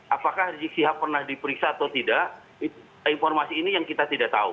apakah rizik sihab pernah diperiksa atau tidak informasi ini yang kita tidak tahu